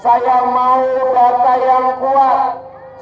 saya mau data yang kuat